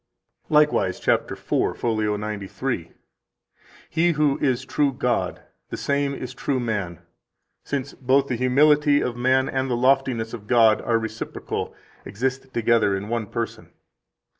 10 Likewise (cap. 4, fol. 93): "He who is true God, the same is true man, since both the humility of man and the loftiness of God are reciprocal [exist together in one person].